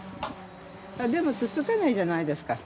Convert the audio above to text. でも突っつかないじゃないですか。